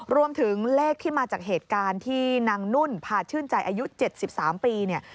รวมถึงเลขที่มาจากเหตุการณ์ที่นางนุ่นพาชื่นใจอายุ๗๓ปีเนี่ย